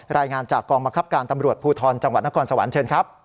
รายงานจากกองบังคับการตำรวจภูทรจังหวัดนครสวรรค์เชิญครับ